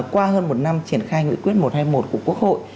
qua hơn một năm triển khai nghị quyết một trăm hai mươi một của quốc hội